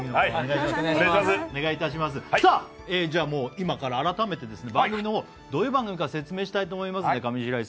今から改めて番組の方、どういう番組か説明したいと思います。